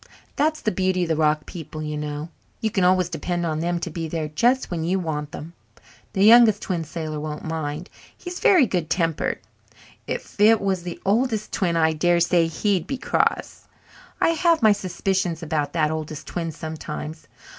That is the beauty of the rock people, you know. You can always depend on them to be there just when you want them. The Youngest Twin Sailor won't mind he's very good tempered. If it was the Oldest Twin I dare say he'd be cross. I have my suspicions about that Oldest Twin sometimes.